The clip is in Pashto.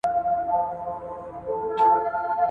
نفاق ډېرې لویې امپراتورۍ له منځه وړي دي.